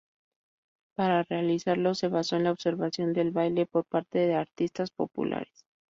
Para realizarlo se basó en la observación del baile por parte de artistas populares.